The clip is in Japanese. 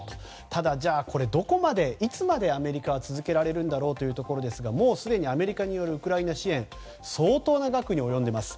ただ、これはどこまでいつまでアメリカは続けられるんだろうということですがもうすでにアメリカによるウクライナ支援相当な額に及んでいます。